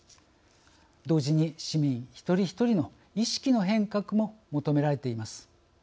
同時に市民一人一人の意識の変革も求められています。